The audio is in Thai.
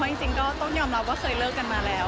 จริงก็ต้องยอมรับว่าเคยเลิกกันมาแล้ว